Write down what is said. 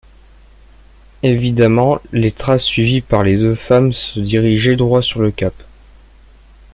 Évidemment, les traces suivies par les deux femmes se dirigeaient droit sur le cap.